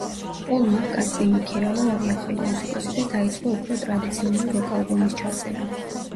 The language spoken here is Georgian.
პოლ მაკ-კარტნიმ იქირავა ორი ახალი მუსიკოსი და დაიწყო უფრო ტრადიციული როკ-ალბომის ჩაწერა.